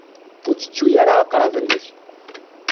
Ur ttettu ara aqrab-nnek.